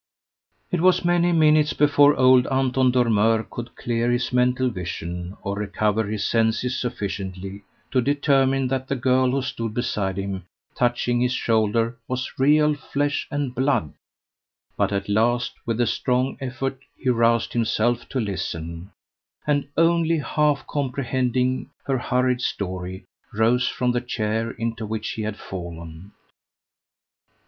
It was many minutes before old Anton Dormeur could clear his mental vision or recover his senses sufficiently to determine that the girl who stood beside him touching his shoulder was real flesh and blood; but at last, with a strong effort, he roused himself to listen; and only half comprehending her hurried story, rose from the chair into which he had fallen.